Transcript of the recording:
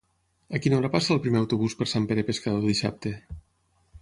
A quina hora passa el primer autobús per Sant Pere Pescador dissabte?